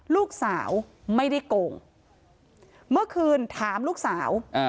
ลูกสาวซับทอดค่ะ